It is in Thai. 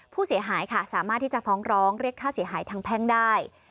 ผู้เสียหายค่ะสามารถที่จะฟ้องร้องเรียกค่าเสียหายทางแพ่งได้